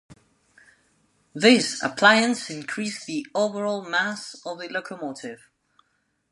This appliance increased the overall mass of the locomotive.